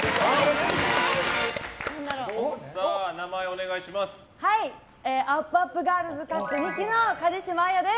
お名前お願いします。